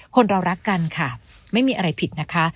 คนเรารักกันค่ะไม่มีอะไรผิดนะคะ